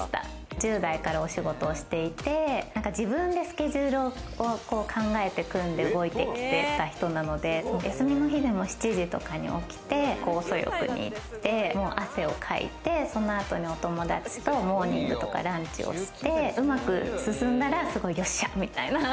１０代からお仕事をしていて、自分でスケジュールを考えて組んで動いてきてた人なので、休みの日でも７時とかに起きて、酵素浴に行って汗をかいて、そのあとにお友達とモーニングとかランチをしてうまく進んだら、よっしゃみたいな。